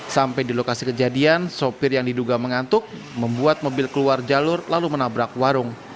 sampai di lokasi kejadian sopir yang diduga mengantuk membuat mobil keluar jalur lalu menabrak warung